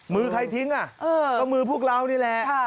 มือใครทิ้งอ่ะก็มือพวกเรานี่แหละ